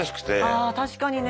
ああ確かにね。